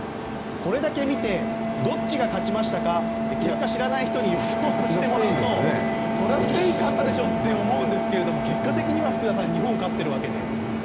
これだけ見てどっちが勝ちましたか？と結果を知らない人に予想してもらうとそれはスペインが勝ったでしょうと思うんですが結果的には、福田さん日本が勝っているわけで。